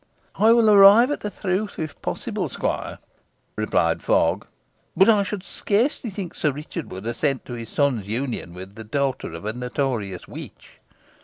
"I will arrive at the truth, if possible, squire," replied Fogg; "but I should scarcely think Sir Richard would assent to his son's union with the daughter of a notorious witch."